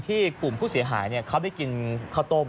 กลุ่มผู้เสียหายเขาไปกินข้าวต้ม